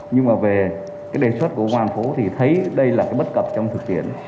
nhưng mà về cái đề xuất của ngoan phố thì thấy đây là cái bất cập trong thực hiện